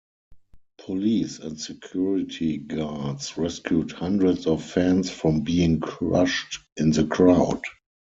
Police and security guards rescued hundreds of fans from being crushed in the crowd.